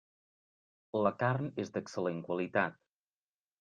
La carn és d'excel·lent qualitat.